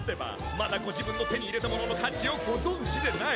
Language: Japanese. まだご自分の手に入れたものの価値をご存じでない。